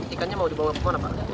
ikannya mau dibawa ke mana pak